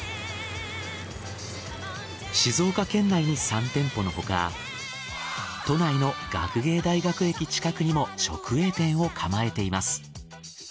静岡県内に３店舗のほか都内の学芸大学駅近くにも直営店を構えています。